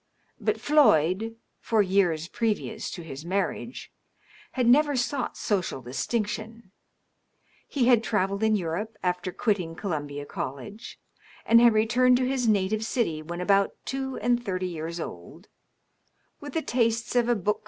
But Floyd, for years previous to his marriage, had never sought social distinction* He had travelled in Europe after quitting Columbia College, and had returned to his native city when about two^and thirty years old, with the tastes of a book 538 DOUGLAS DUANE.